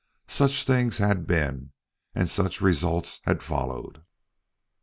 Such things had been and such results had followed.